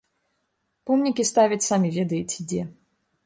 Помнікі ставяць самі ведаеце дзе.